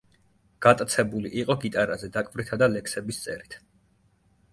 გატაცებული იყო გიტარაზე დაკვრითა და ლექსების წერით.